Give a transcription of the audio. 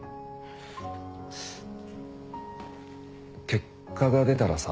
結果が出たらさ